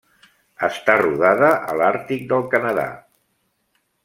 Està rodada a l'àrtic del Canadà.